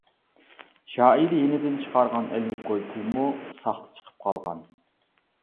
شائىر يېنىدىن چىقارغان ئەللىك كوي پۇلمۇ ساختا چىقىپ قالغان.